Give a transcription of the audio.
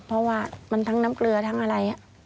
เพราะว่ามันทั้งน้ำเกลือทั้งอะไร